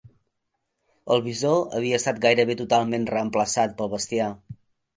El bisó havia estat gairebé totalment reemplaçat pel bestiar.